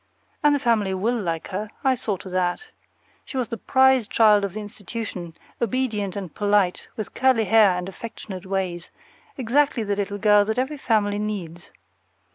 And the family will like her; I saw to that. She was the prize child of the institution, obedient and polite, with curly hair and affectionate ways, exactly the little girl that every family needs.